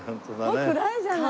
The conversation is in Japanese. もう暗いじゃない？